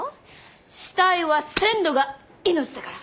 死体は鮮度が命だから。